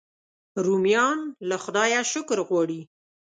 رومیان له خدایه شکر غواړي